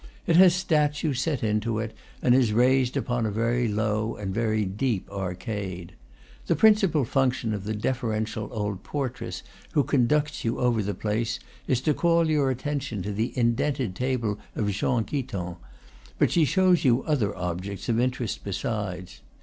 It has statues set into it, and is raised upon a very low and very deep arcade. The principal function of the deferential old portress who conducts you over the place is to call your attention to the indented table of Jean Guiton; but she shows you other objects of interest besides.